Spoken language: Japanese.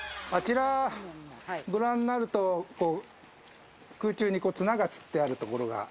あちらをご覧になると、空中に綱が釣ってあるところが。